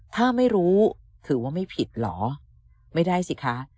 ถ้าไม่รู้ถือว่าไม่ผิดเหรอไม่ได้สิคะ